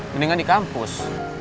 mendingan di kampus